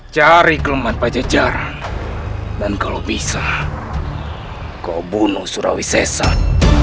cari kelemahan pajajar dan kalau bisa kau bunuh surawi sesan